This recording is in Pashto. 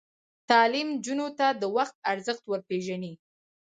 تعلیم نجونو ته د وخت ارزښت ور پېژني.